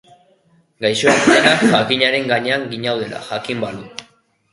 Gaisoak, denak jakinaren gainean ginaudela jakin balu...